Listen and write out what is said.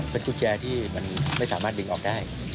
เป็นกุญแจที่มันไม่สามารถดึงออกได้